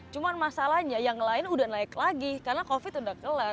cuma masalahnya yang lain udah naik lagi karena covid udah kelar